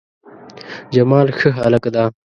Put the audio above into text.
جمال ښه هلک ده